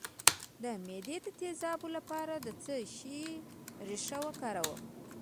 د معدې د تیزابیت لپاره د څه شي ریښه وکاروم؟